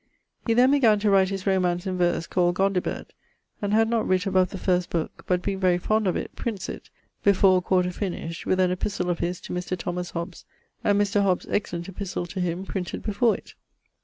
He then began to write his romance in verse, called Gondibert, and had not writt above the first booke, but being very fond of it, prints it (before a quarter finished), with an epistle of his to Mr. Thomas Hobbes and Mr. Hobbes' excellent epistle to him printed before it.